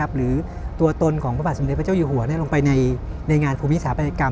หรือตัวตนของพระบาทสมเด็จพระเจ้าอยู่หัวลงไปในงานภูมิสถาปัตยกรรม